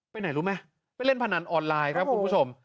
ไปไหนรู้ไหมไปเล่นพนันออนไลน์ครับคุณผู้ชม